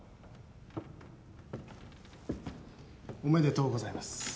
おめでとうございます。